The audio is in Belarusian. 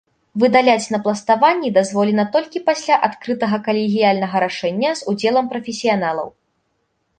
Выдаляць напластаванні дазволена толькі пасля адкрытага калегіяльнага рашэння з удзелам прафесіяналаў.